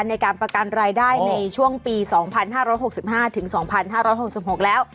ในการประกันรายได้ในช่วงปี๒๕๖๕ถึง๒๕๖๖แล้ว